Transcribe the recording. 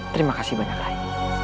terima kasih banyak lagi